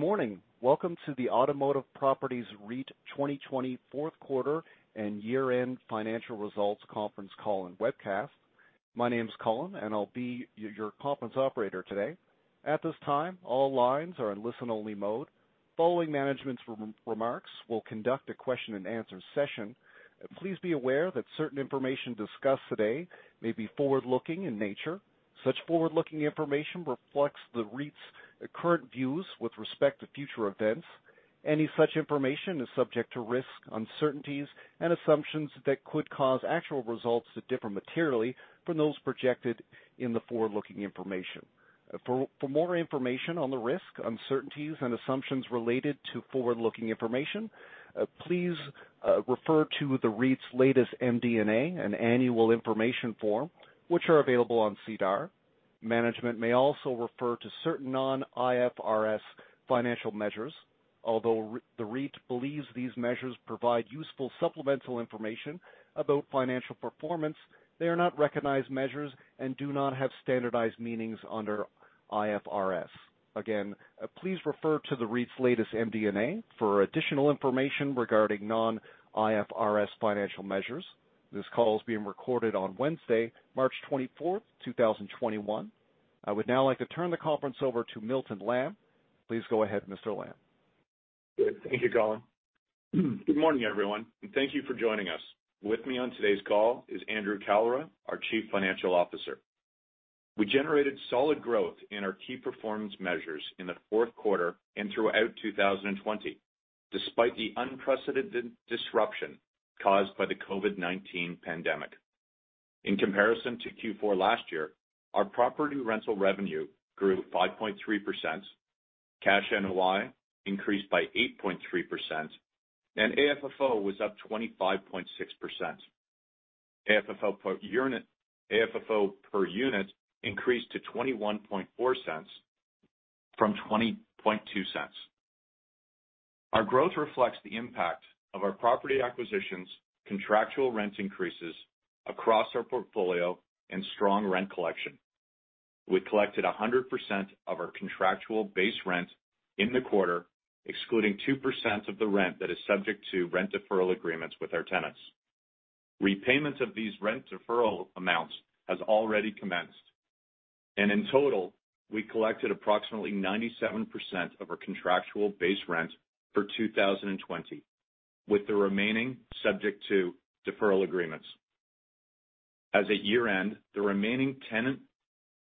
Good morning. Welcome to the Automotive Properties REIT 2020 fourth quarter and year-end financial results conference call and webcast. My name is Colin, and I'll be your conference operator today. At this time, all lines are in listen-only mode. Following management's remarks, we'll conduct a question and answer session. Please be aware that certain information discussed today may be forward-looking in nature. Such forward-looking information reflects the REIT's current views with respect to future events. Any such information is subject to risks, uncertainties, and assumptions that could cause actual results to differ materially from those projected in the forward-looking information. For more information on the risks, uncertainties, and assumptions related to forward-looking information, please refer to the REIT's latest MD&A and annual information form, which are available on SEDAR. Management may also refer to certain non-IFRS financial measures. Although the REIT believes these measures provide useful supplemental information about financial performance, they are not recognized measures and do not have standardized meanings under IFRS. Again, please refer to the REIT's latest MD&A for additional information regarding non-IFRS financial measures. This call is being recorded on Wednesday, March 24th, 2021. I would now like to turn the conference over to Milton Lamb. Please go ahead, Mr. Lamb. Good. Thank you, Colin. Good morning, everyone, and thank you for joining us. With me on today's call is Andrew Kalra, our Chief Financial Officer. We generated solid growth in our key performance measures in the fourth quarter and throughout 2020, despite the unprecedented disruption caused by the COVID-19 pandemic. In comparison to Q4 last year, our property rental revenue grew 5.3%, cash NOI increased by 8.3%, and AFFO was up 25.6%. AFFO per unit increased to 0.214 from 0.202. Our growth reflects the impact of our property acquisitions, contractual rent increases across our portfolio, and strong rent collection. We collected 100% of our contractual base rent in the quarter, excluding 2% of the rent that is subject to rent deferral agreements with our tenants. Repayment of these rent deferral amounts has already commenced. In total, we collected approximately 97% of our contractual base rent for 2020, with the remaining subject to deferral agreements. As of year-end, the remaining tenant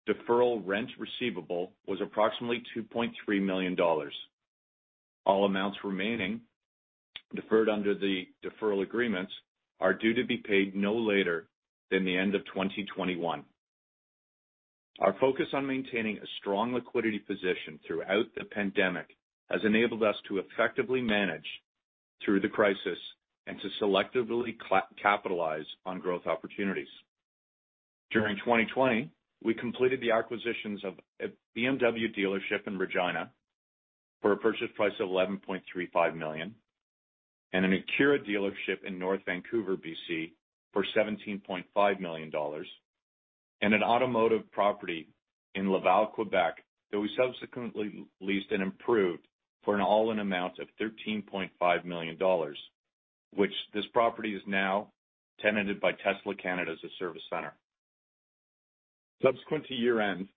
deferral rent receivable was approximately 2.3 million dollars. All amounts remaining deferred under the deferral agreements are due to be paid no later than the end of 2021. Our focus on maintaining a strong liquidity position throughout the pandemic has enabled us to effectively manage through the crisis and to selectively capitalize on growth opportunities. During 2020, we completed the acquisitions of a BMW dealership in Regina for a purchase price of 11.35 million, and an Acura dealership in North Vancouver, B.C., for 17.5 million dollars, and an automotive property in Laval, Quebec, that we subsequently leased and improved for an all-in amount of 13.5 million dollars. This property is now tenanted by Tesla Canada as a service center. Subsequent to year-end,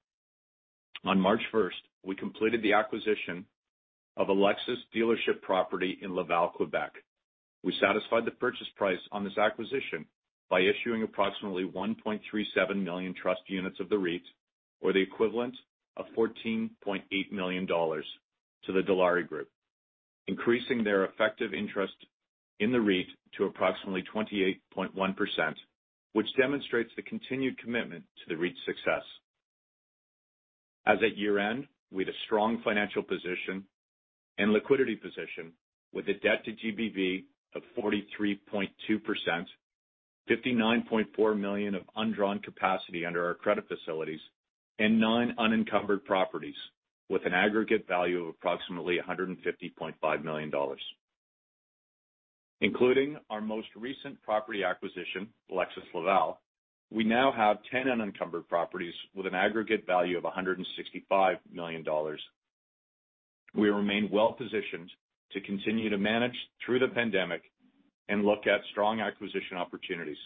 on March 1st, we completed the acquisition of a Lexus dealership property in Laval, Quebec. We satisfied the purchase price on this acquisition by issuing approximately 1.37 million trust units of the REIT, or the equivalent of 14.8 million dollars to the Dilawri Group, increasing their effective interest in the REIT to approximately 28.1%, which demonstrates the continued commitment to the REIT's success. As of year-end, we had a strong financial position and liquidity position with a debt to GBV of 43.2%, 59.4 million of undrawn capacity under our credit facilities, and nine unencumbered properties with an aggregate value of approximately 150.5 million dollars. Including our most recent property acquisition, Lexus Laval, we now have 10 unencumbered properties with an aggregate value of 165 million dollars. We remain well-positioned to continue to manage through the pandemic and look at strong acquisition opportunities.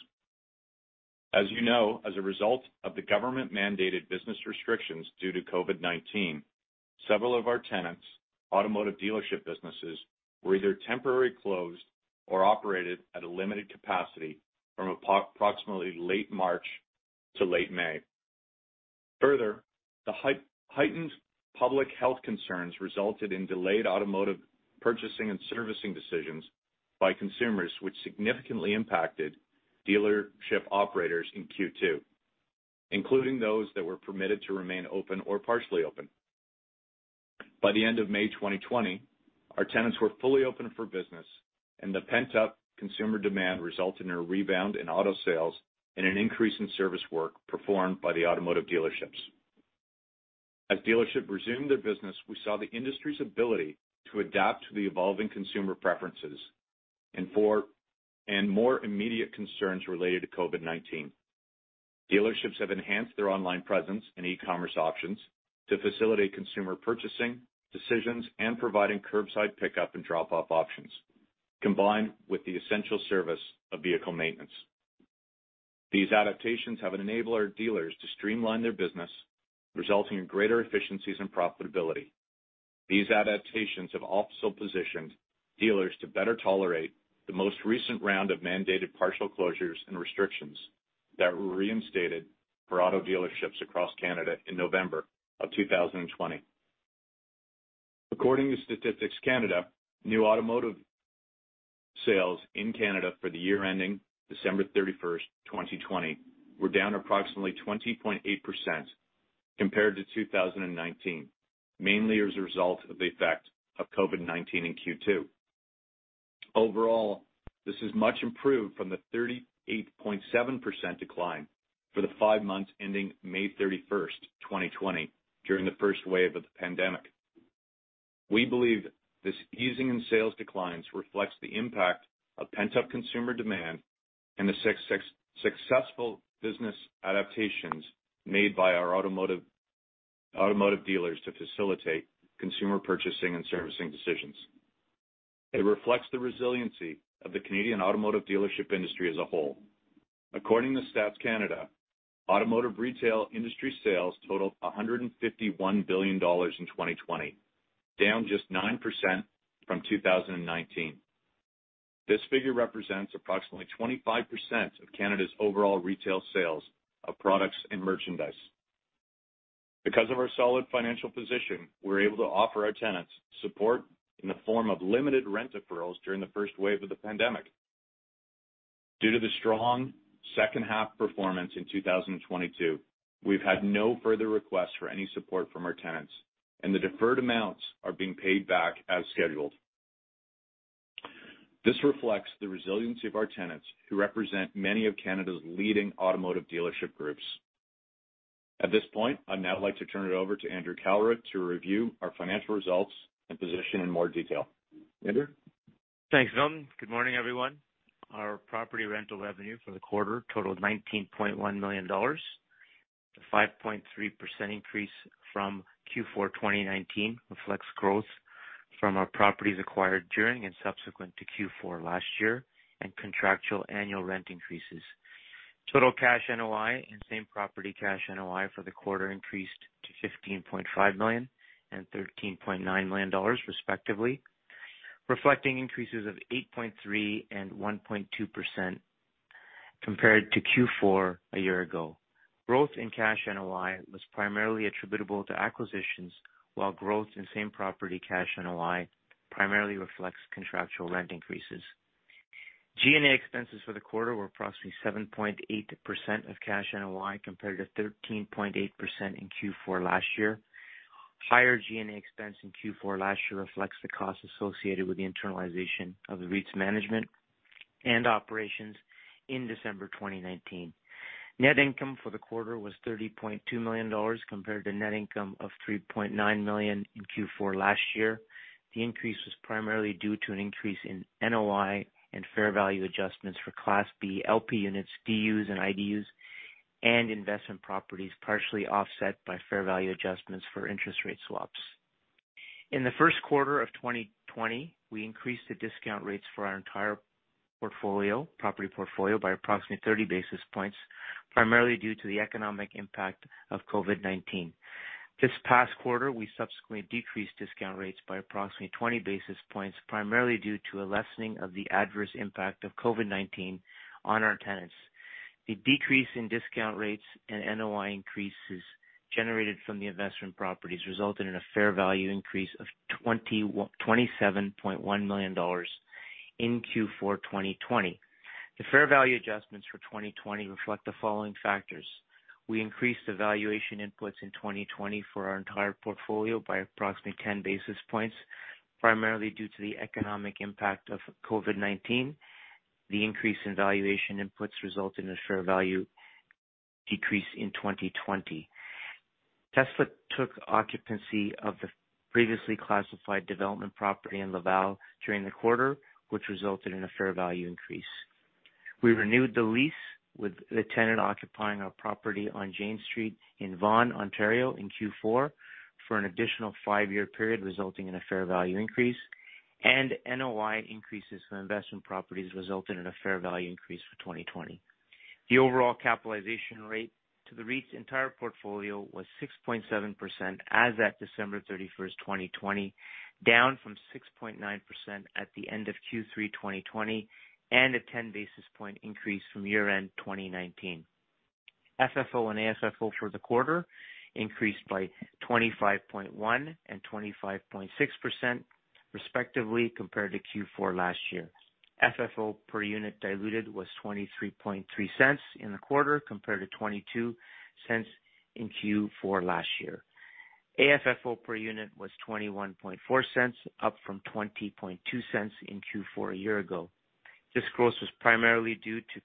As you know, as a result of the government-mandated business restrictions due to COVID-19, several of our tenants' automotive dealership businesses were either temporarily closed or operated at a limited capacity from approximately late March to late May. Further, the heightened public health concerns resulted in delayed automotive purchasing and servicing decisions by consumers, which significantly impacted dealership operators in Q2, including those that were permitted to remain open or partially open. By the end of May 2020, our tenants were fully open for business, and the pent-up consumer demand resulted in a rebound in auto sales and an increase in service work performed by the automotive dealerships. As dealerships resumed their business, we saw the industry's ability to adapt to the evolving consumer preferences and more immediate concerns related to COVID-19. Dealerships have enhanced their online presence and e-commerce options to facilitate consumer purchasing decisions and providing curbside pickup and drop-off options, combined with the essential service of vehicle maintenance. These adaptations have enabled our dealers to streamline their business, resulting in greater efficiencies and profitability. These adaptations have also positioned dealers to better tolerate the most recent round of mandated partial closures and restrictions that were reinstated for auto dealerships across Canada in November of 2020. According to Statistics Canada, new automotive sales in Canada for the year ending December 31st, 2020, were down approximately 20.8% compared to 2019, mainly as a result of the effect of COVID-19 in Q2. Overall, this is much improved from the 38.7% decline for the five months ending May 31st, 2020, during the first wave of the pandemic. We believe this easing in sales declines reflects the impact of pent-up consumer demand and the successful business adaptations made by our automotive dealers to facilitate consumer purchasing and servicing decisions. It reflects the resiliency of the Canadian automotive dealership industry as a whole. According to Stats Canada, automotive retail industry sales totaled 151 billion dollars in 2020, down just 9% from 2019. This figure represents approximately 25% of Canada's overall retail sales of products and merchandise. Because of our solid financial position, we're able to offer our tenants support in the form of limited rent deferrals during the first wave of the pandemic. Due to the strong second half performance in 2020, we've had no further requests for any support from our tenants, and the deferred amounts are being paid back as scheduled. This reflects the resiliency of our tenants, who represent many of Canada's leading automotive dealership groups. At this point, I'd now like to turn it over to Andrew Kalra to review our financial results and position in more detail. Andrew? Thanks, Milton. Good morning, everyone. Our property rental revenue for the quarter totaled 19.1 million dollars. The 5.3% increase from Q4 2019 reflects growth from our properties acquired during and subsequent to Q4 last year and contractual annual rent increases. Total cash NOI and same-property cash NOI for the quarter increased to 15.5 million and 13.9 million dollars, respectively, reflecting increases of 8.3% and 1.2% compared to Q4 a year ago. Growth in cash NOI was primarily attributable to acquisitions, while growth in same-property cash NOI primarily reflects contractual rent increases. G&A expenses for the quarter were approximately 7.8% of cash NOI, compared to 13.8% in Q4 last year. Higher G&A expense in Q4 last year reflects the cost associated with the internalization of the REIT's management and operations in December 2019. Net income for the quarter was 30.2 million dollars, compared to net income of 3.9 million in Q4 last year. The increase was primarily due to an increase in NOI and fair value adjustments for Class B LP units, DUs, and IDUs, and investment properties, partially offset by fair value adjustments for interest rate swaps. In the first quarter of 2020, we increased the discount rates for our entire property portfolio by approximately 30 basis points, primarily due to the economic impact of COVID-19. This past quarter, we subsequently decreased discount rates by approximately 20 basis points, primarily due to a lessening of the adverse impact of COVID-19 on our tenants. The decrease in discount rates and NOI increases generated from the investment properties resulted in a fair value increase of 27.1 million dollars in Q4 2020. The fair value adjustments for 2020 reflect the following factors. We increased the valuation inputs in 2020 for our entire portfolio by approximately 10 basis points. Primarily due to the economic impact of COVID-19, the increase in valuation inputs resulted in a fair value decrease in 2020. Tesla took occupancy of the previously classified development property in Laval during the quarter, which resulted in a fair value increase. We renewed the lease with the tenant occupying our property on Jane Street in Vaughan, Ontario, in Q4 for an additional five-year period, resulting in a fair value increase, and NOI increases from investment properties resulted in a fair value increase for 2020. The overall capitalization rate to the REIT's entire portfolio was 6.7% as at December 31st, 2020, down from 6.9% at the end of Q3 2020 and a 10 basis point increase from year-end 2019. FFO and AFFO for the quarter increased by 25.1% and 25.6%, respectively, compared to Q4 last year. FFO per unit diluted was 0.233 in the quarter, compared to 0.22 in Q4 last year. AFFO per unit was 0.214, up from 0.202 in Q4 a year ago. This growth was primarily due to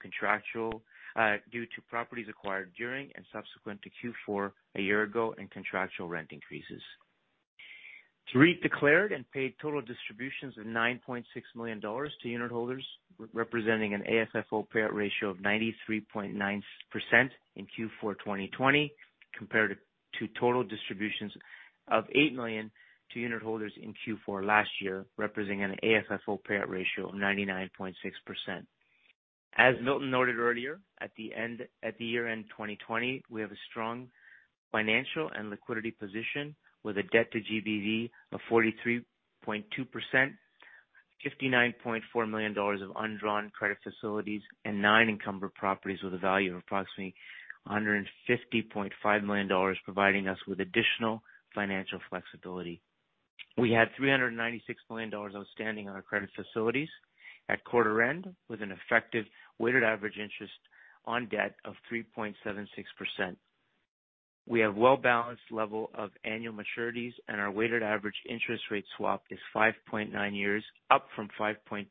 properties acquired during and subsequent to Q4 a year ago and contractual rent increases. The REIT declared and paid total distributions of 9.6 million dollars to unitholders, representing an AFFO payout ratio of 93.9% in Q4 2020, compared to total distributions of 8 million to unitholders in Q4 last year, representing an AFFO payout ratio of 99.6%. As Milton noted earlier, at the year-end 2020, we have a strong financial and liquidity position with a debt to GBV of 43.2%, 59.4 million dollars of undrawn credit facilities and nine unencumbered properties with a value of approximately 150.5 million dollars, providing us with additional financial flexibility. We had 396 million dollars outstanding on our credit facilities at quarter end, with an effective weighted average interest on debt of 3.76%. We have well balanced level of annual maturities, and our weighted average interest rate swap is 5.9 years, up from 5.2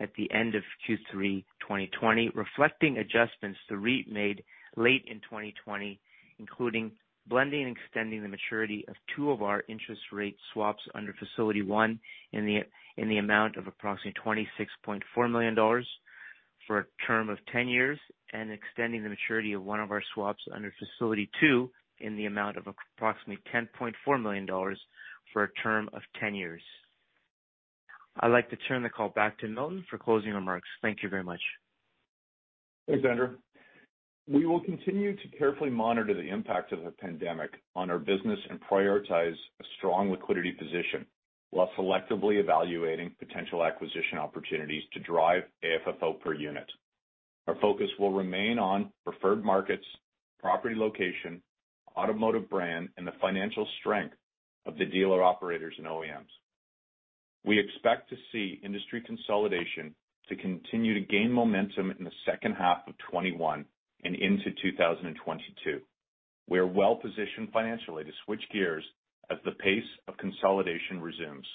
at the end of Q3 2020, reflecting adjustments the REIT made late in 2020, including blending and extending the maturity of two of our interest rate swaps under facility one in the amount of approximately 26.4 million dollars for a term of 10 years, and extending the maturity of one of our swaps under facility two in the amount of approximately 10.4 million dollars for a term of 10 years. I'd like to turn the call back to Milton for closing remarks. Thank you very much. Thanks, Andrew. We will continue to carefully monitor the impact of the pandemic on our business and prioritize a strong liquidity position while selectively evaluating potential acquisition opportunities to drive AFFO per unit. Our focus will remain on preferred markets, property location, automotive brand, and the financial strength of the dealer operators and OEMs. We expect to see industry consolidation to continue to gain momentum in the second half of 2021 and into 2022. We're well-positioned financially to switch gears as the pace of consolidation resumes.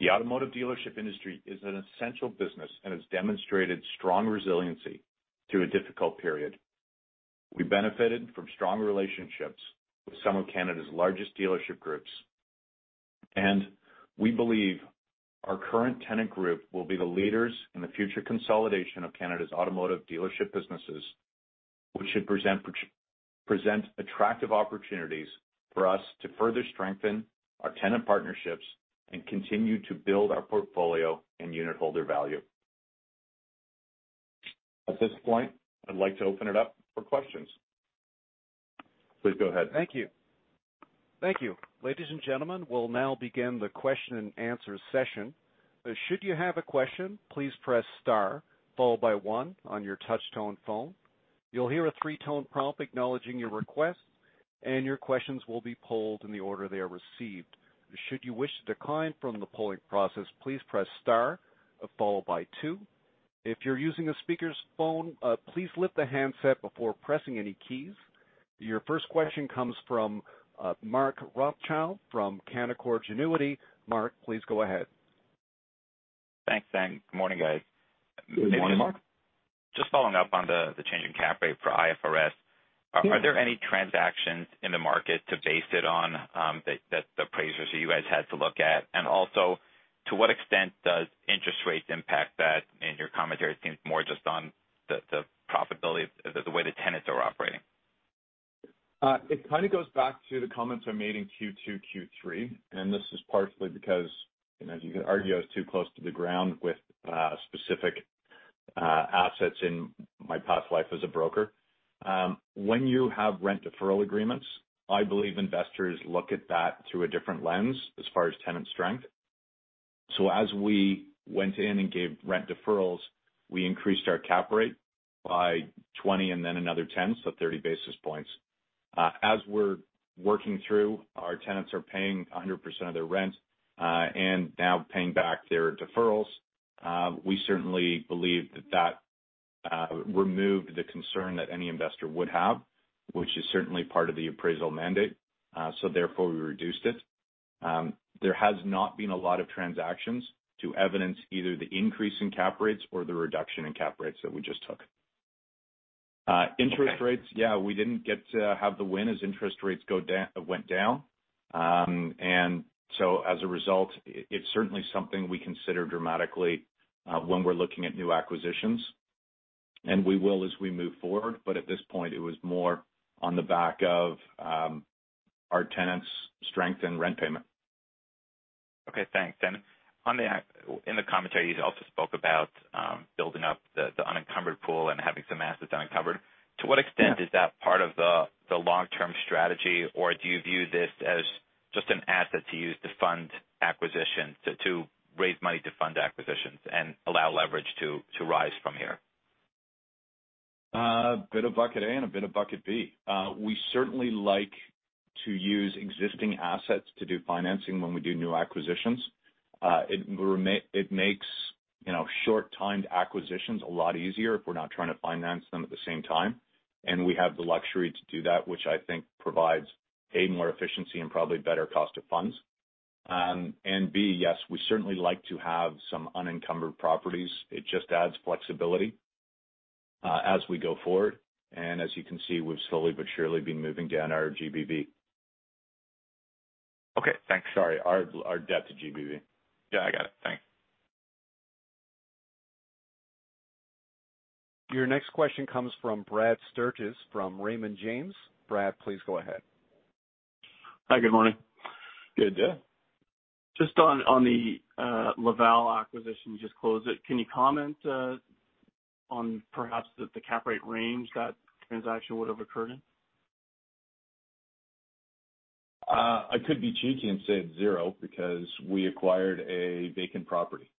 The automotive dealership industry is an essential business and has demonstrated strong resiliency through a difficult period. We benefited from strong relationships with some of Canada's largest dealership groups. We believe our current tenant group will be the leaders in the future consolidation of Canada's automotive dealership businesses, which should present attractive opportunities for us to further strengthen our tenant partnerships and continue to build our portfolio and unitholder value. At this point, I'd like to open it up for questions. Please go ahead. Thank you. Thank you. Ladies and gentlemen, we'll now begin the question and answer session. Your first question comes from Mark Rothschild from Canaccord Genuity. Mark, please go ahead. Thanks. Good morning, guys. Good morning, Mark. Just following up on the change in cap rate for IFRS. Yeah. Are there any transactions in the market to base it on that the appraisers you guys had to look at? To what extent does interest rates impact that? In your commentary, it seems more just on the profitability, the way the tenants are operating. It kind of goes back to the comments I made in Q2, Q3. This is partially because, as you can argue, I was too close to the ground with specific assets in my past life as a broker. When you have rent deferral agreements, I believe investors look at that through a different lens as far as tenant strength. As we went in and gave rent deferrals, we increased our cap rate by 20 basis points and then another 10 basis points, so 30 basis points. As we're working through, our tenants are paying 100% of their rent and now paying back their deferrals. We certainly believe that that removed the concern that any investor would have, which is certainly part of the appraisal mandate, therefore, we reduced it. There has not been a lot of transactions to evidence either the increase in cap rates or the reduction in cap rates that we just took. Interest rates, yeah, we didn't get to have the win as interest rates went down. As a result, it's certainly something we consider dramatically when we're looking at new acquisitions, and we will as we move forward. At this point, it was more on the back of our tenants' strength in rent payment. Thanks. In the commentary, you also spoke about building up the unencumbered pool and having some assets unencumbered. Yeah. To what extent is that part of the long-term strategy, or do you view this as just an asset to use to raise money to fund acquisitions and allow leverage to rise from here? A bit of bucket A and a bit of bucket B. We certainly like to use existing assets to do financing when we do new acquisitions. It makes short-timed acquisitions a lot easier if we're not trying to finance them at the same time. We have the luxury to do that, which I think provides, A, more efficiency and probably better cost of funds. B, yes, we certainly like to have some unencumbered properties. It just adds flexibility as we go forward, and as you can see, we've slowly but surely been moving down our GBV. Okay, thanks. Sorry, our debt to GBV. Yeah, I got it. Thanks. Your next question comes from Brad Sturges from Raymond James. Brad, please go ahead. Hi, good morning. Good day. Just on the Laval acquisition, you just closed it. Can you comment on perhaps the cap rate range that transaction would have occurred in? I could be cheeky and say it's zero because we acquired a vacant property.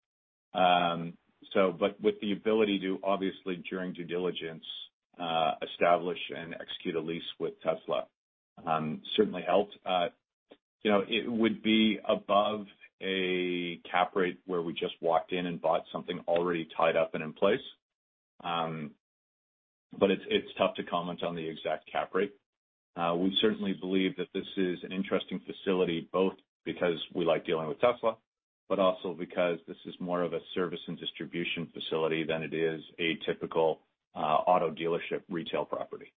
With the ability to, obviously during due diligence, establish and execute a lease with Tesla certainly helped. It would be above a cap rate where we just walked in and bought something already tied up and in place. It's tough to comment on the exact cap rate. We certainly believe that this is an interesting facility, both because we like dealing with Tesla, but also because this is more of a service and distribution facility than it is a typical auto dealership retail property.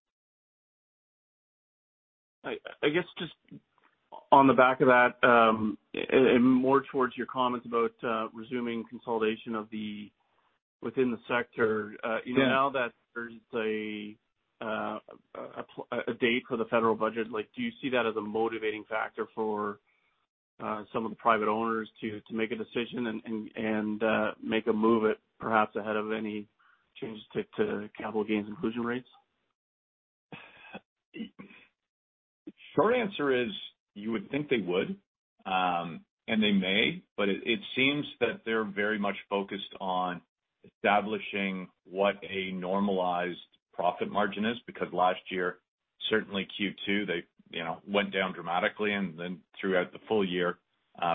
I guess just on the back of that, and more towards your comments about resuming consolidation within the sector. Yeah Now that there's a date for the federal budget, do you see that as a motivating factor for some of the private owners to make a decision and make a move perhaps ahead of any changes to capital gains inclusion rates? Short answer is, you would think they would, and they may. It seems that they're very much focused on establishing what a normalized profit margin is, because last year, certainly Q2, they went down dramatically. Throughout the full year,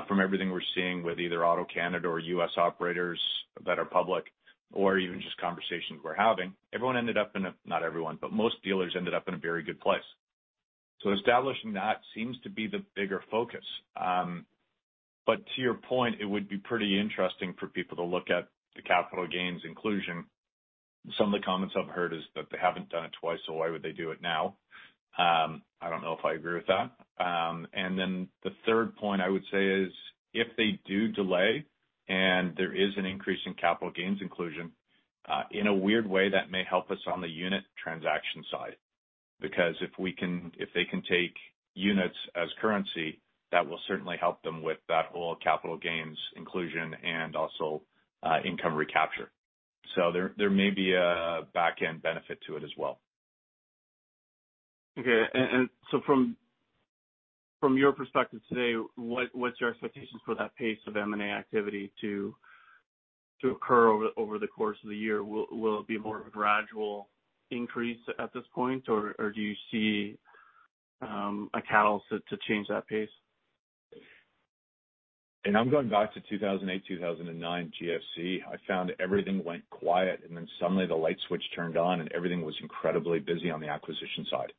from everything we're seeing with either AutoCanada or U.S. operators that are public, or even just conversations we're having, everyone ended up in a not everyone, but most dealers ended up in a very good place. Establishing that seems to be the bigger focus. To your point, it would be pretty interesting for people to look at the capital gains inclusion. Some of the comments I've heard is that they haven't done it twice, so why would they do it now? I don't know if I agree with that. The third point I would say is if they do delay and there is an increase in capital gains inclusion, in a weird way, that may help us on the unit transaction side. If they can take units as currency, that will certainly help them with that whole capital gains inclusion and also income recapture. There may be a back-end benefit to it as well. Okay. From your perspective today, what's your expectations for that pace of M&A activity to occur over the course of the year? Will it be more of a gradual increase at this point, or do you see a catalyst to change that pace? I'm going back to 2008, 2009 GFC. I found everything went quiet, and then suddenly the light switch turned on, and everything was incredibly busy on the acquisition side.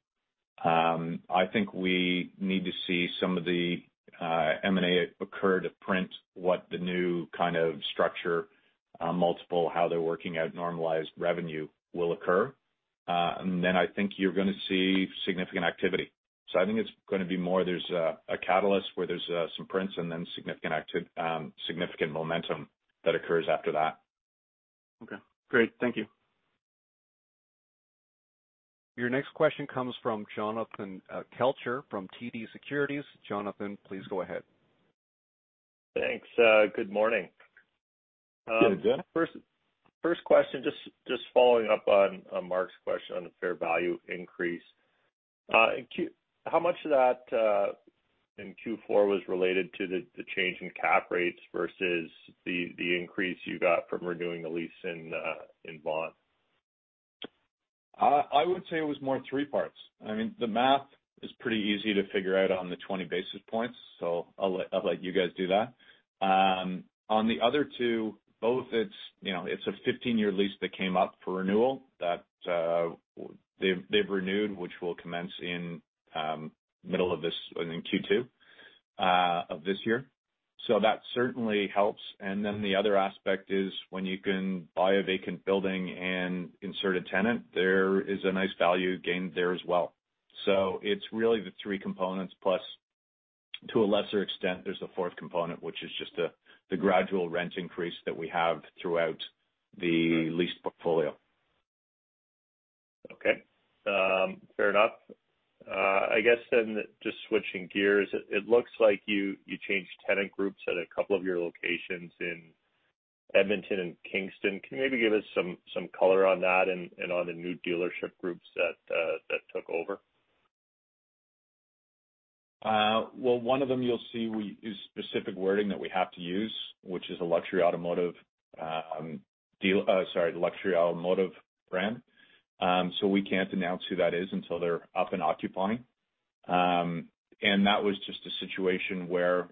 I think we need to see some of the M&A occur to print what the new kind of structure multiple, how they're working out normalized revenue will occur. Then I think you're going to see significant activity. I think it's going to be more there's a catalyst where there's some prints and then significant momentum that occurs after that. Okay, great. Thank you. Your next question comes from Jonathan Kelcher from TD Securities. Jonathan, please go ahead. Thanks. Good morning. Good, Jon. First question, just following up on Mark's question on the fair value increase. How much of that in Q4 was related to the change in cap rates versus the increase you got from renewing the lease in Vaughan? I would say it was more three parts. The math is pretty easy to figure out on the 20 basis points. I'll let you guys do that. On the other two, both it's a 15-year lease that came up for renewal that they've renewed, which will commence in middle of this, in Q2 of this year. That certainly helps. The other aspect is when you can buy a vacant building and insert a tenant, there is a nice value gained there as well. It's really the three components plus to a lesser extent, there's a fourth component, which is just the gradual rent increase that we have throughout the lease portfolio. Okay. Fair enough. I guess just switching gears, it looks like you changed tenant groups at a couple of your locations in Edmonton and Kingston. Can you maybe give us some color on that and on the new dealership groups that took over? Well, one of them you'll see is specific wording that we have to use, which is a luxury automotive brand. We can't announce who that is until they're up and occupying. That was just a situation where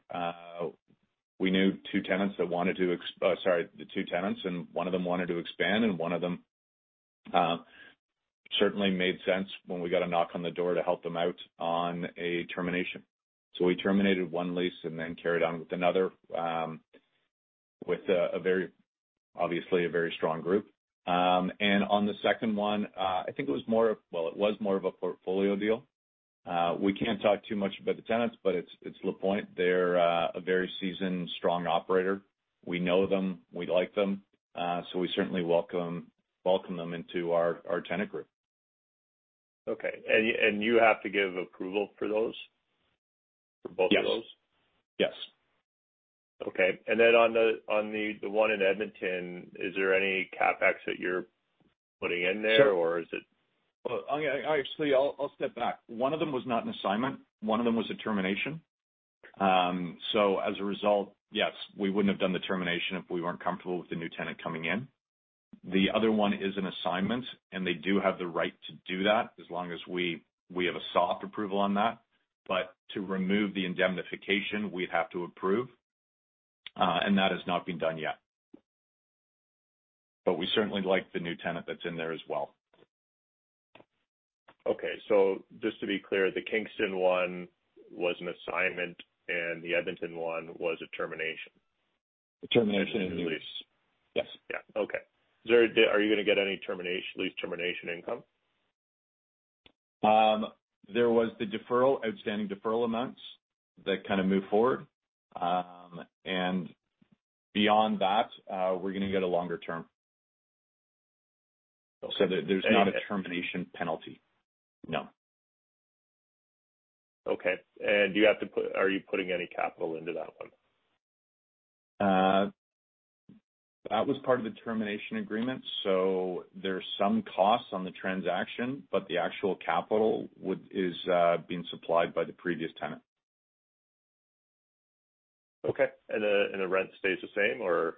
we knew two tenants and one of them wanted to expand, and one of them certainly made sense when we got a knock on the door to help them out on a termination. We terminated one lease and then carried on with another, with obviously a very strong group. On the second one, I think it was more of a portfolio deal. We can't talk too much about the tenants, but it's Lapointe. They're a very seasoned, strong operator. We know them. We like them. We certainly welcome them into our tenant group. Okay. You have to give approval for those? For both of those? Yes. Okay. On the one in Edmonton, is there any CapEx that you're putting in there? Actually, I'll step back. One of them was not an assignment. One of them was a termination. As a result, yes, we wouldn't have done the termination if we weren't comfortable with the new tenant coming in. The other one is an assignment, and they do have the right to do that as long as we have a soft approval on that. To remove the indemnification, we'd have to approve, and that has not been done yet. We certainly like the new tenant that's in there as well. Okay. Just to be clear, the Kingston one was an assignment and the Edmonton one was a termination. Termination of the lease. Yes. Yeah. Okay. Are you going to get any lease termination income? There was the outstanding deferral amounts that kind of move forward. Beyond that, we're going to get a longer term. There's not a termination penalty. No. Okay. Are you putting any capital into that one? That was part of the termination agreement, so there are some costs on the transaction, but the actual capital is being supplied by the previous tenant. Okay. The rent stays the same or?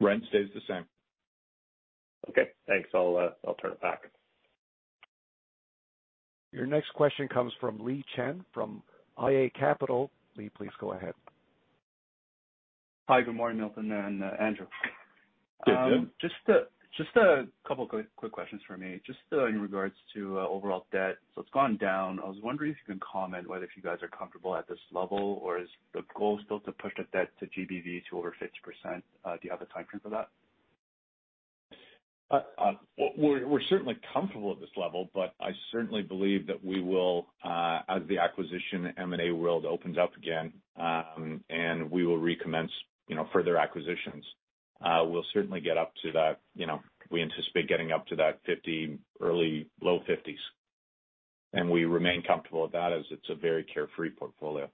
Rent stays the same. Okay, thanks. I'll turn it back. Your next question comes from Lee Chen of iA Capital. Lee, please go ahead. Hi, good morning, Milton and Andrew. Good, yeah. Just a couple quick questions from me. Just in regards to overall debt. It's gone down. I was wondering if you can comment whether if you guys are comfortable at this level, or is the goal still to push the debt to GBV to over 50%? Do you have a timeframe for that? We're certainly comfortable at this level. I certainly believe that we will, as the acquisition M&A world opens up again, we will recommence further acquisitions. We will certainly get up to that. We anticipate getting up to that 50%, early low 50s%. We remain comfortable with that as it is a very carefree portfolio.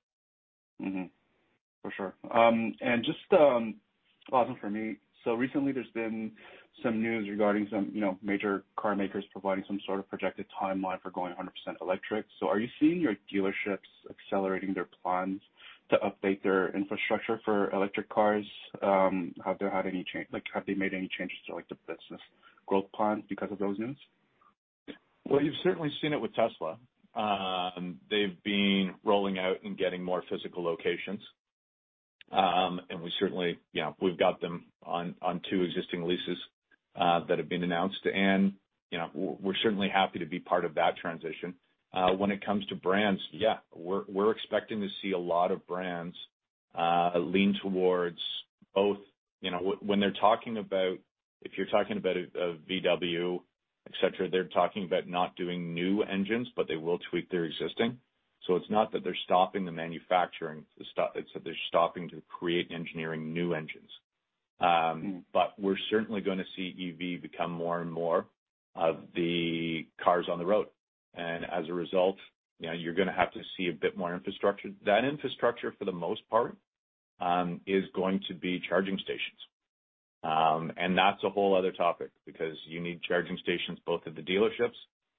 For sure. Just last one for me. Recently there's been some news regarding some major car makers providing some sort of projected timeline for going 100% electric. Are you seeing your dealerships accelerating their plans to update their infrastructure for electric cars? Have they made any changes to the business growth plan because of those news? Well, you've certainly seen it with Tesla. They've been rolling out and getting more physical locations. We certainly have got them on two existing leases that have been announced. We're certainly happy to be part of that transition. When it comes to brands, yeah, we're expecting to see a lot of brands lean towards both. If you're talking about a VW, et cetera, they're talking about not doing new engines, but they will tweak their existing. It's not that they're stopping the manufacturing stuff, it's that they're stopping to create engineering new engines. We're certainly going to see EV become more and more of the cars on the road. As a result, you're going to have to see a bit more infrastructure. That infrastructure, for the most part, is going to be charging stations. That's a whole other topic because you need charging stations both at the dealerships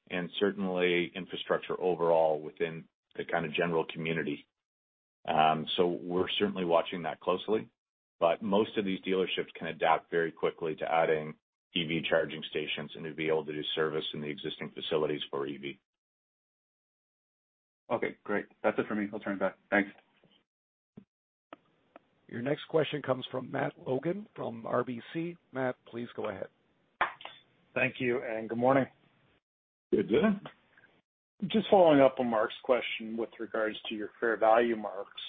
and certainly infrastructure overall within the kind of general community. We're certainly watching that closely, but most of these dealerships can adapt very quickly to adding EV charging stations and to be able to do service in the existing facilities for EV. Okay, great. That's it for me. I'll turn it back. Thanks. Your next question comes from Matt Logan from RBC. Matt, please go ahead. Thank you, and good morning. Good day. Just following up on Mark's question with regards to your fair value marks.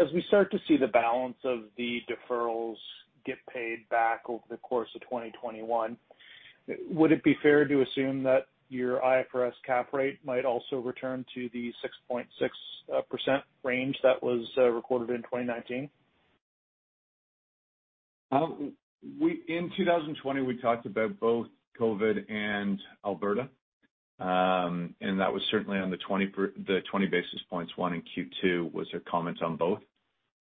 As we start to see the balance of the deferrals get paid back over the course of 2021, would it be fair to assume that your IFRS cap rate might also return to the 6.6% range that was recorded in 2019? In 2020, we talked about both COVID and Alberta. That was certainly on the 20 basis points one in Q2 was a comment on both.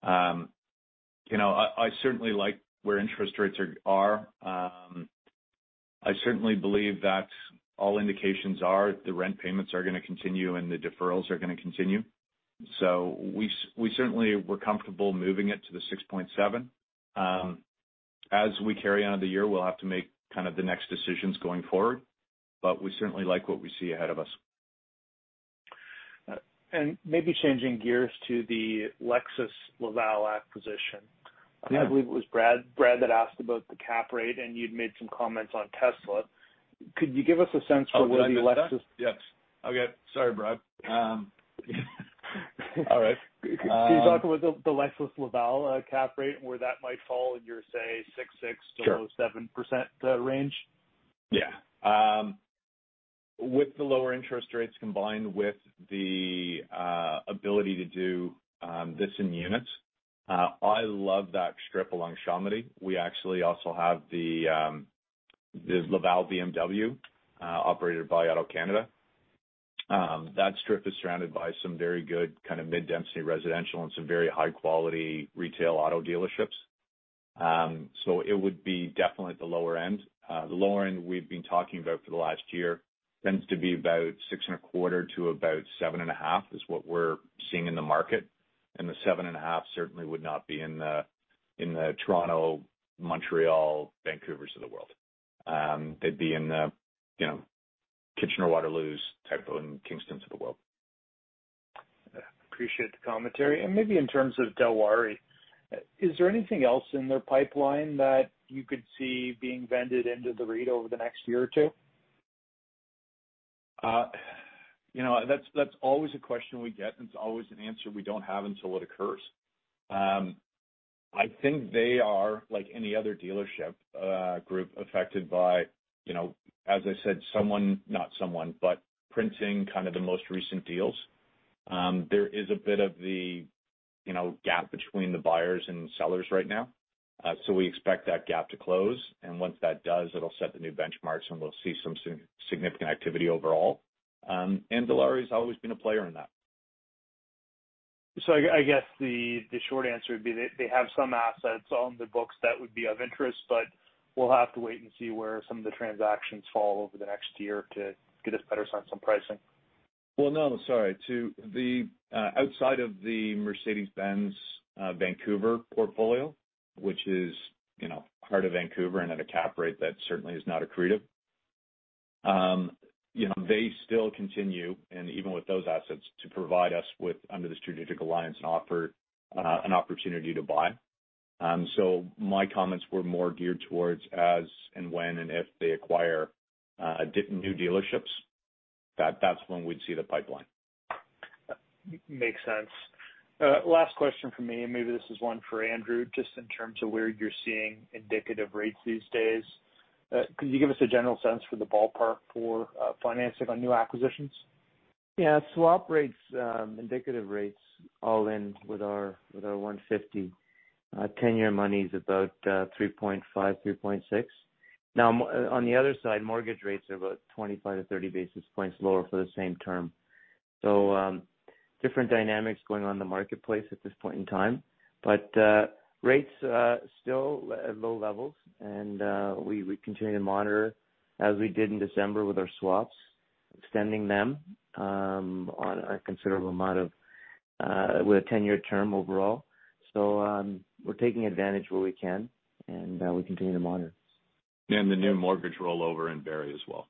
I certainly like where interest rates are. I certainly believe that all indications are the rent payments are going to continue and the deferrals are going to continue. We certainly were comfortable moving it to the 6.7%. As we carry on the year, we'll have to make kind of the next decisions going forward, but we certainly like what we see ahead of us. Maybe changing gears to the Lexus Laval acquisition. Yeah. I believe it was Brad that asked about the cap rate, and you'd made some comments on Tesla. Could you give us a sense for what a Lexus- Oh, did I do that? Yes. Okay. Sorry, Brad. All right. Can you talk about the Lexus Laval cap rate and where that might fall in your, say, six? Sure 7%, range? Yeah. With the lower interest rates, combined with the ability to do this in units, I love that strip along Chomedey. We actually also have the Laval BMW, operated by AutoCanada. That strip is surrounded by some very good kind of mid-density residential and some very high-quality retail auto dealerships. It would be definitely at the lower end. The lower end we've been talking about for the last year tends to be about 6.25% to about 7.5%, is what we're seeing in the market. The 7.5 certainly would not be in the Toronto, Montreal, Vancouvers of the world. They'd be in the Kitchener-Waterloos type, and Kingstons of the world. Appreciate the commentary. Maybe in terms of Dilawri, is there anything else in their pipeline that you could see being vended into the REIT over the next year or two? That's always a question we get, and it's always an answer we don't have until it occurs. I think they are, like any other dealership group, affected by, as I said, someone, not someone, but printing kind of the most recent deals. There is a bit of the gap between the buyers and sellers right now. We expect that gap to close, and once that does, it'll set the new benchmarks and we'll see some significant activity overall. Dilawri's always been a player in that. I guess the short answer would be that they have some assets on the books that would be of interest, but we'll have to wait and see where some of the transactions fall over the next year to get a better sense on pricing. Well, no, sorry. Outside of the Mercedes-Benz Vancouver portfolio, which is heart of Vancouver and at a cap rate that certainly is not accretive. They still continue, and even with those assets, to provide us with under the strategic alliance an opportunity to buy. My comments were more geared towards as and when and if they acquire new dealerships. That's when we'd see the pipeline. Makes sense. Last question from me, maybe this is one for Andrew, just in terms of where you're seeing indicative rates these days. Could you give us a general sense for the ballpark for financing on new acquisitions? Yeah. Swap rates, indicative rates all in with our 150. 10-year money's about 3.5%, 3.6%. On the other side, mortgage rates are about 25-30 basis points lower for the same term. Different dynamics going on in the marketplace at this point in time. Rates still at low levels, and we continue to monitor, as we did in December with our swaps, extending them on a considerable amount of with a 10-year term overall. We're taking advantage where we can, and we continue to monitor. The new mortgage rollover in Barrie as well.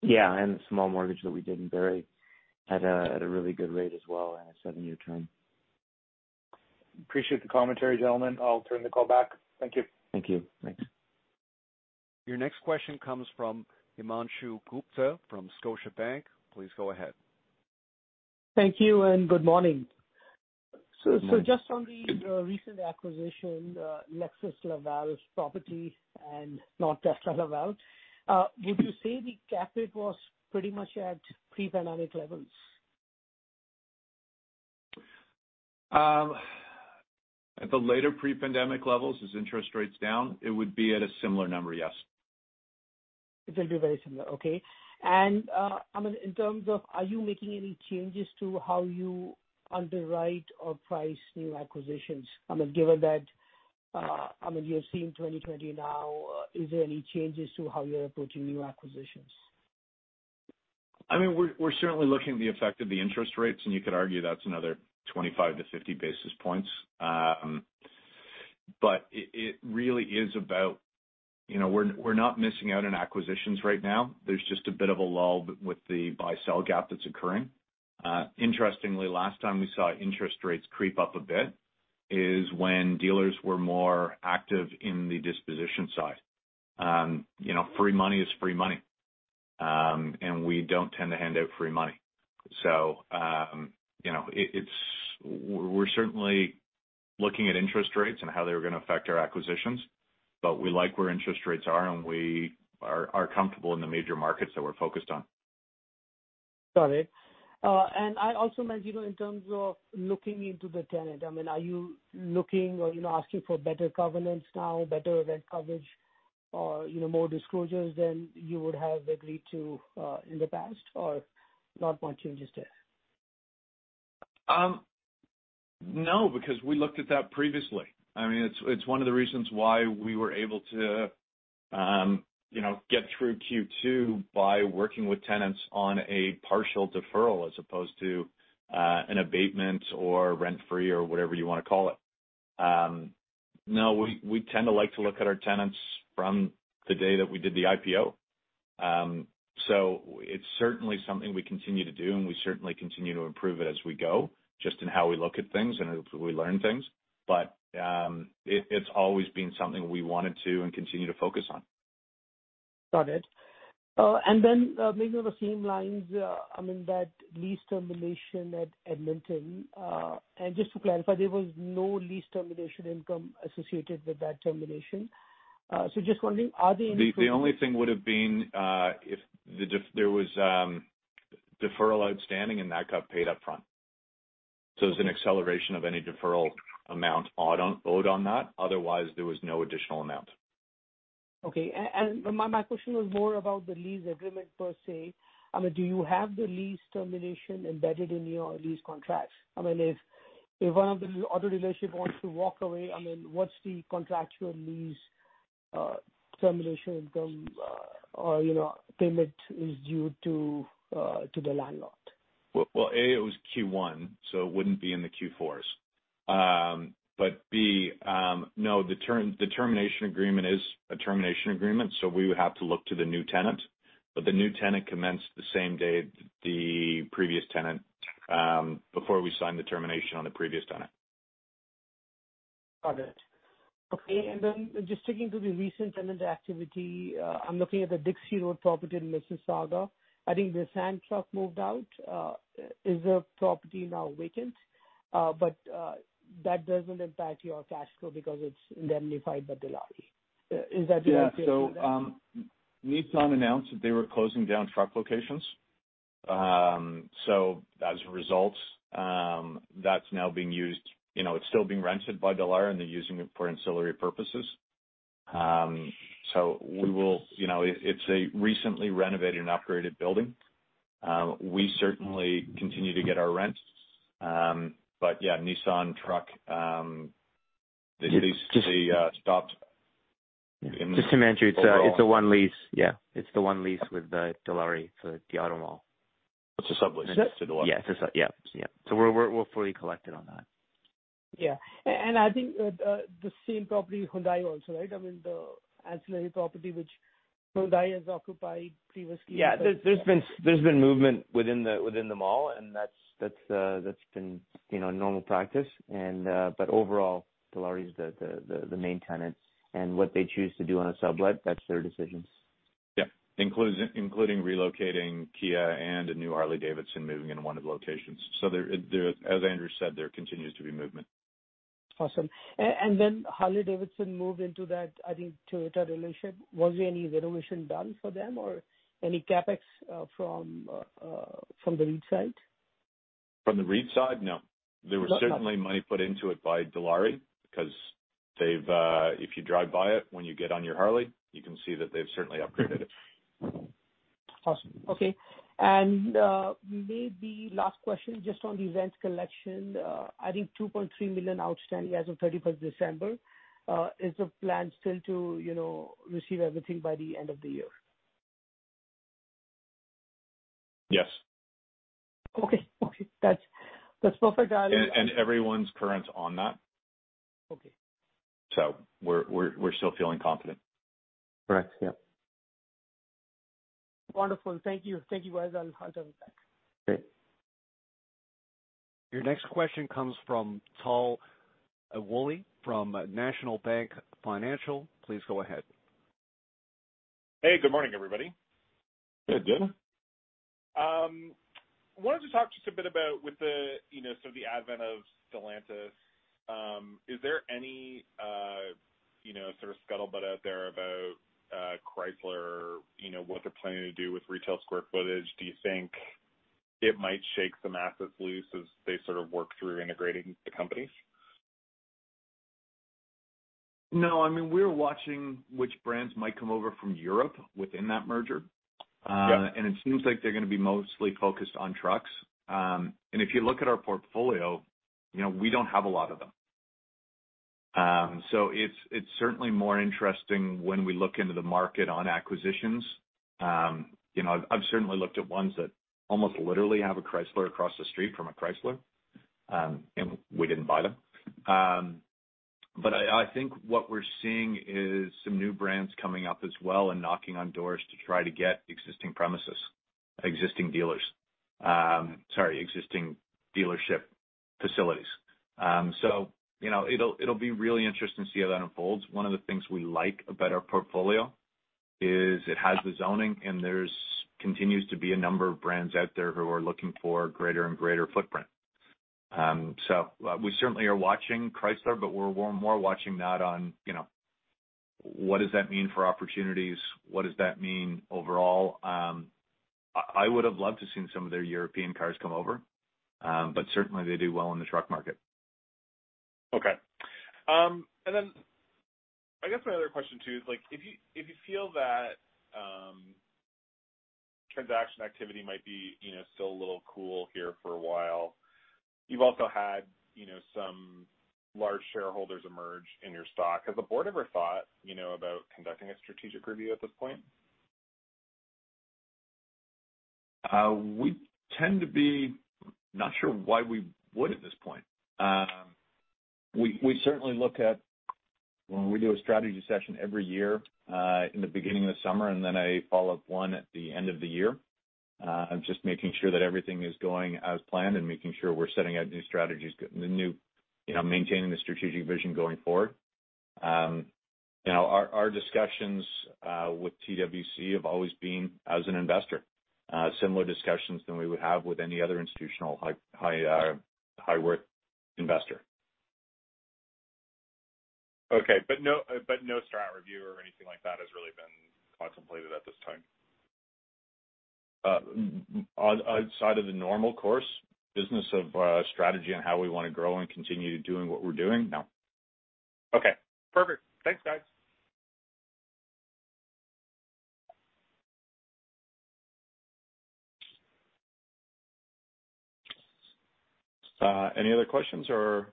Yeah, the small mortgage that we did in Barrie at a really good rate as well, and a seven-year term. Appreciate the commentary, gentlemen. I'll turn the call back. Thank you. Thank you. Thanks. Your next question comes from Himanshu Gupta from Scotiabank. Please go ahead. Thank you, and good morning. Good morning. Just on the recent acquisition, Lexus Laval property and not Tesla Laval. Would you say the cap rate was pretty much at pre-pandemic levels? At the later pre-pandemic levels, as interest rates down, it would be at a similar number, yes. It will be very similar. Okay. In terms of are you making any changes to how you underwrite or price new acquisitions? Given that you're seeing 2020 now, is there any changes to how you're approaching new acquisitions? We're certainly looking at the effect of the interest rates, and you could argue that's another 25-50 basis points. It really is about we're not missing out on acquisitions right now. There's just a bit of a lull with the buy-sell gap that's occurring. Interestingly, last time we saw interest rates creep up a bit is when dealers were more active in the disposition side. Free money is free money, and we don't tend to hand out free money. We're certainly looking at interest rates and how they're going to affect our acquisitions, but we like where interest rates are, and we are comfortable in the major markets that we're focused on. Got it. I also meant in terms of looking into the tenant. Are you looking or asking for better governance now, better rent coverage, or more disclosures than you would have agreed to in the past, or not much changes there? No, because we looked at that previously. It's one of the reasons why we were able to get through Q2 by working with tenants on a partial deferral as opposed to an abatement or rent-free or whatever you want to call it. No, we tend to like to look at our tenants from the day that we did the IPO. It's certainly something we continue to do, and we certainly continue to improve it as we go, just in how we look at things and as we learn things. It's always been something we wanted to and continue to focus on. Got it. Maybe on the same lines, that lease termination at Edmonton. Just to clarify, there was no lease termination income associated with that termination. Just wondering, are there any? The only thing would've been if there was deferral outstanding and that got paid upfront. It's an acceleration of any deferral amount owed on that. Otherwise, there was no additional amount. My question was more about the lease agreement per se. Do you have the lease termination embedded in your lease contracts? If one of the auto dealership wants to walk away, what's the contractual lease termination income or payment is due to the landlord? A, it was Q1, so it wouldn't be in the Q4s. B, no, the termination agreement is a termination agreement, so we would have to look to the new tenant. The new tenant commenced the same day the previous tenant, before we signed the termination on the previous tenant. Got it. Okay. Just sticking to the recent tenant activity, I'm looking at the Dixie Road property in Mississauga. I think the Nissan Truck moved out. Is the property now vacant? That doesn't impact your cash flow because it's indemnified by Dilawri. Is that the right way to see that? Yeah. Nissan announced that they were closing down truck locations. As a result, it's still being rented by Dilawri, and they're using it for ancillary purposes. It's a recently renovated and upgraded building. We certainly continue to get our rent. Yeah. Just to mention, it's the one lease. Yeah. It's the one lease with Dilawri for the auto mall. It's a sublease to Dilawri. Yeah. We're fully collected on that. Yeah. I think the same property, Hyundai also, right? The ancillary property which Hyundai has occupied previously. Yeah. There's been movement within the mall and that's been normal practice. Overall, Dilawri is the main tenant and what they choose to do on a sublet, that's their decisions. Yeah. Including relocating Kia and a new Harley-Davidson moving into one of the locations. As Andrew said, there continues to be movement. Awesome. Harley-Davidson moved into that, I think, Toyota dealership. Was there any renovation done for them or any CapEx from the REIT side? From the REIT side? No. Okay. There was certainly money put into it by Dilawri because if you drive by it when you get on your Harley, you can see that they've certainly upgraded it. Awesome. Okay. Maybe last question, just on the rents collection. I think 2.3 million outstanding as of 31st December. Is the plan still to receive everything by the end of the year? Yes. Okay. That's perfect. Everyone's current on that. Okay. We're still feeling confident. Correct. Yep. Wonderful. Thank you. Thank you, guys. I'll jump back. Great. Your next question comes from Tal Woolley from National Bank Financial. Please go ahead. Hey, good morning, everybody. Hey, good. wanted to talk just a bit about with the advent of Stellantis, is there any sort of scuttlebutt out there about Chrysler, what they're planning to do with retail square footage? Do you think it might shake some assets loose as they sort of work through integrating the companies? No. We're watching which brands might come over from Europe within that merger. Yeah. It seems like they're going to be mostly focused on trucks. If you look at our portfolio, we don't have a lot of them. It's certainly more interesting when we look into the market on acquisitions. I've certainly looked at ones that almost literally have a Chrysler across the street from a Chrysler, and we didn't buy them. I think what we're seeing is some new brands coming up as well and knocking on doors to try to get existing premises, existing dealers. Sorry, existing dealership facilities. It'll be really interesting to see how that unfolds. One of the things we like about our portfolio is it has the zoning, and there continues to be a number of brands out there who are looking for greater and greater footprint. We certainly are watching Chrysler, but we're more watching that on what does that mean for opportunities? What does that mean overall? I would've loved to seen some of their European cars come over. Certainly, they do well in the truck market. Okay. I guess my other question, too, is if you feel that transaction activity might be still a little cool here for a while, you've also had some large shareholders emerge in your stock. Has the board ever thought about conducting a strategic review at this point? We tend to be not sure why we would at this point. We certainly look at when we do a strategy session every year in the beginning of the summer, and then a follow-up one at the end of the year, of just making sure that everything is going as planned and making sure we're setting out new strategies, maintaining the strategic vision going forward. Our discussions with TWC have always been as an investor, similar discussions than we would have with any other institutional high worth investor. Okay, no strat review or anything like that has really been contemplated at this time? Outside of the normal course business of strategy and how we want to grow and continue doing what we're doing, no. Okay, perfect. Thanks, guys. Any other questions, or?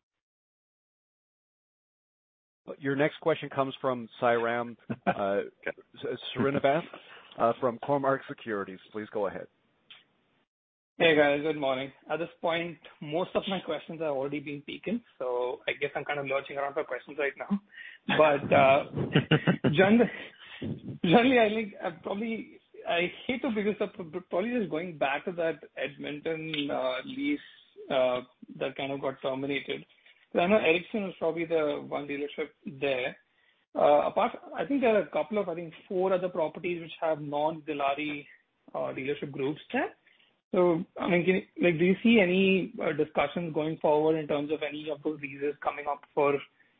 Your next question comes from Sairam Srinivas from Cormark Securities. Please go ahead. Hey, guys. Good morning. At this point, most of my questions are already being taken, so I guess I'm kind of lurching around for questions right now. Generally, I hate to bring this up, but probably just going back to that Edmonton lease that got terminated, because I know Ericksen was probably the one dealership there. Apart, I think there are a couple of, I think four other properties which have non-Dilawri dealership groups there. Do you see any discussions going forward in terms of any of those leases coming up for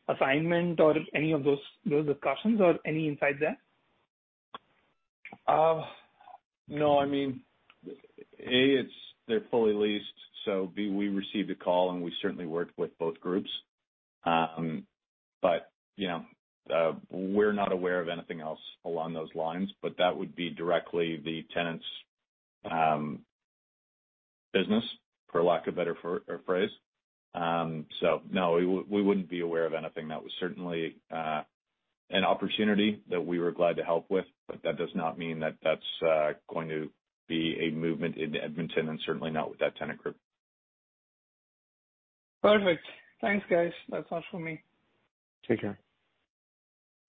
assignment or any of those discussions or any insights there? No. A, they're fully leased, so B, we received a call and we certainly worked with both groups. We're not aware of anything else along those lines, but that would be directly the tenant's business, for lack of better phrase. No, we wouldn't be aware of anything. That was certainly an opportunity that we were glad to help with, but that does not mean that that's going to be a movement in Edmonton and certainly not with that tenant group. Perfect. Thanks, guys. That's all for me. Take care.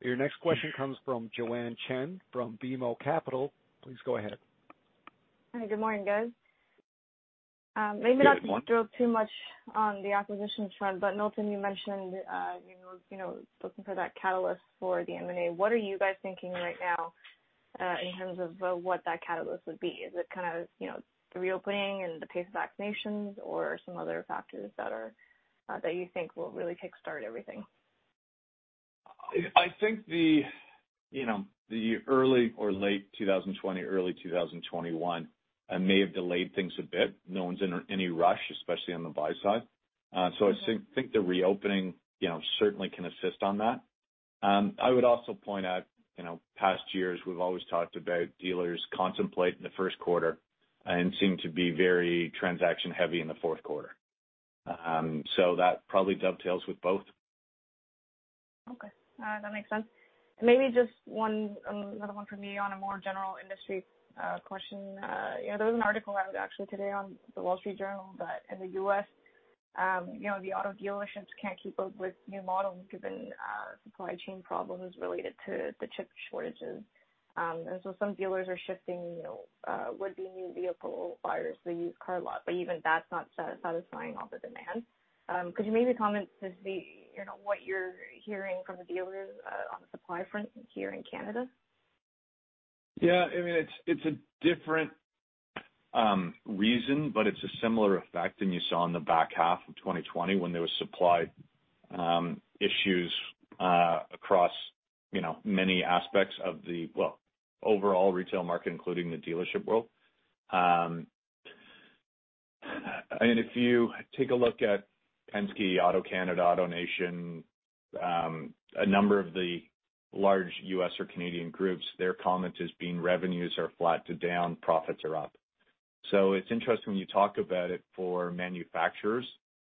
Your next question comes from Joanne Chen from BMO Capital. Please go ahead. Hi. Good morning, guys. Good morning. Maybe not to dwell too much on the acquisition front, Milton, you mentioned looking for that catalyst for the M&A. What are you guys thinking right now in terms of what that catalyst would be? Is it the reopening and the pace of vaccinations or some other factors that you think will really kickstart everything? I think the late 2020, early 2021 may have delayed things a bit. No one's in any rush, especially on the buy side. I think the reopening certainly can assist on that. I would also point out, past years, we've always talked about dealers contemplate in the first quarter and seem to be very transaction-heavy in the fourth quarter. That probably dovetails with both. Okay. That makes sense. Maybe just another one from me on a more general industry question. There was an article out actually today on The Wall Street Journal that in the U.S. the auto dealerships can't keep up with new models given supply chain problems related to the chip shortages. Some dealers are shifting would-be new vehicle buyers to the used car lot, but even that's not satisfying all the demand. Could you maybe comment what you're hearing from the dealers on the supply front here in Canada? It's a different reason, but it's a similar effect than you saw in the back half of 2020 when there was supply issues across many aspects of the overall retail market, including the dealership world. If you take a look at Penske, AutoCanada, AutoNation, a number of the large U.S. or Canadian groups, their comment is being revenues are flat to down, profits are up. It's interesting when you talk about it for manufacturers,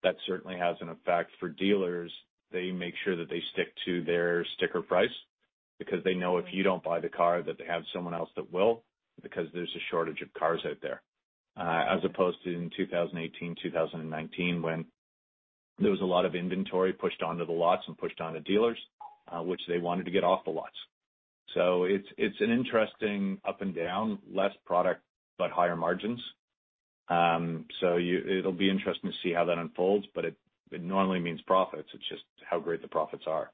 that certainly has an effect for dealers. They make sure that they stick to their sticker price because they know if you don't buy the car, that they have someone else that will, because there's a shortage of cars out there. As opposed to in 2018, 2019, when there was a lot of inventory pushed onto the lots and pushed onto dealers, which they wanted to get off the lots. It's an interesting up and down, less product, but higher margins. It'll be interesting to see how that unfolds, but it normally means profits, it's just how great the profits are.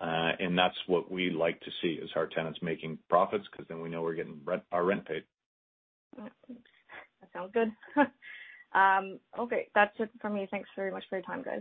That's what we like to see is our tenants making profits because then we know we're getting our rent paid. That sounds good. Okay, that's it from me. Thanks very much for your time, guys.